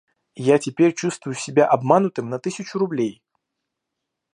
Я теперь чувствую себя обманутым на тысячу рублей